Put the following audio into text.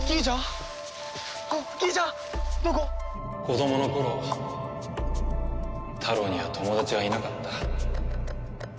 子どもの頃タロウには友達がいなかった。